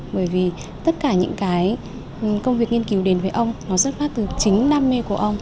bởi vì tất cả những cái công việc nghiên cứu đến với ông nó xuất phát từ chính đam mê của ông